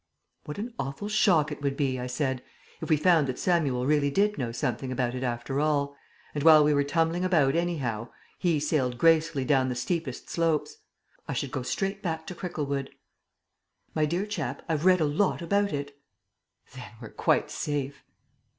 "What an awful shock it would be," I said, "if we found that Samuel really did know something about it after all; and, while we were tumbling about anyhow, he sailed gracefully down the steepest slopes. I should go straight back to Cricklewood." "My dear chap, I've read a lot about it." "Then we're quite safe."